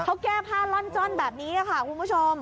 เขาแก้ผ้าล่อนจ้อนแบบนี้ค่ะคุณผู้ชม